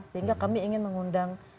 sehingga kami ingin mengundang